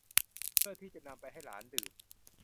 เพื่อที่จะนำไปให้หลานดื่ม